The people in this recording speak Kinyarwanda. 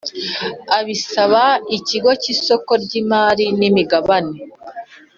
Abisaba ikigo cy isoko ry imari n imigabane